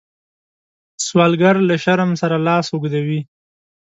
سوالګر له شرم سره لاس اوږدوي